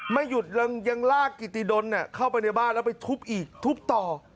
ไม่หยุดยังลากกิติดลเข้าไปในบ้านแล้วไปทุบอีกทุบต่อ